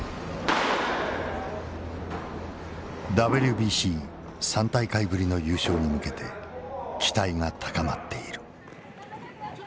ＷＢＣ３大会ぶりの優勝に向けて期待が高まっている。